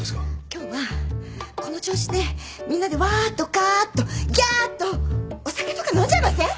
今日はこの調子でみんなでわーっとがーっとぎゃーっとお酒とか飲んじゃいません？